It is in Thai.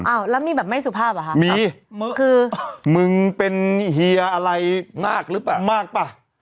อ้าวแล้วมีแบบไม่สุภาพเหรอคะมีคือมึงเป็นเฮียอะไรมากหรือเปล่ามากป่ะ